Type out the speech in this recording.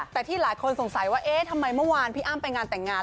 แต่ที่หลายคนสงสัยว่าเอ๊ะทำไมเมื่อวานพี่อ้ำไปงานแต่งงาน